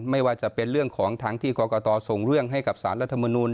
ไม่ว่าจะเป็นเรื่องของทางที่กรกตส่งเรื่องให้กับสารรัฐมนูล